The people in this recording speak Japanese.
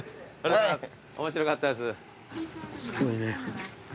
面白かったです。